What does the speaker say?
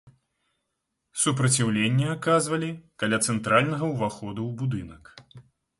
Супраціўленне аказвалі каля цэнтральнага ўваходу ў будынак.